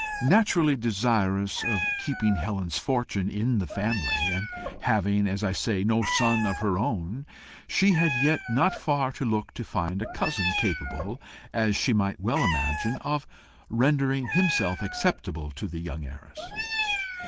Naturally desirous of keeping Helen's fortune in the family, and having, as I say, no son of her own, she had yet not far to look to find a cousin capable, as she might well imagine, of rendering himself acceptable to the heiress.